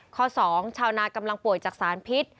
ข้อ๒ชาวนากำลังป่วยจากสารพิษ